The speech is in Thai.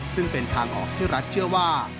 ซึ่งเป็นทางออกที่รัฐเชื่อว่า